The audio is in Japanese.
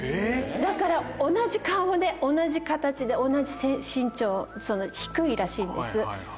だから同じ顔で同じ形で同じ身長低いらしいんです。